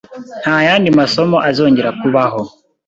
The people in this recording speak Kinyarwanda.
Nta yandi masomo azongera kubaho.